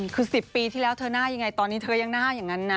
คือ๑๐ปีที่แล้วเธอหน้ายังไงตอนนี้เธอยังหน้าอย่างนั้นนะ